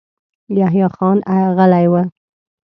يحيی خان غلی و.